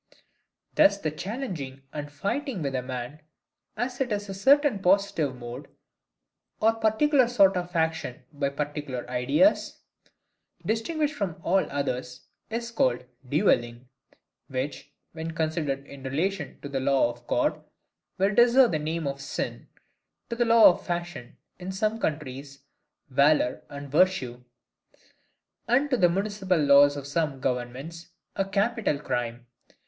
Thus the challenging and fighting with a man, as it is a certain positive mode, or particular sort of action, by particular ideas, distinguished from all others, is called DUELLING: which, when considered in relation to the law of God, will deserve the name of sin; to the law of fashion, in some countries, valour and virtue; and to the municipal laws of some governments, a capital crime.